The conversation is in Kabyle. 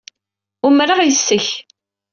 Umreɣ yes-k.